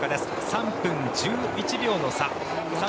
３分１１秒の差。